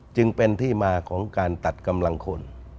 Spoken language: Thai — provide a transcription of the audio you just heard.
จึงเป็นที่มาของการตัดกำลังคน